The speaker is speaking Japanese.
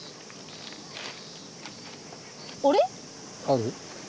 ある？